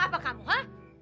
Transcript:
gak phuk paham juga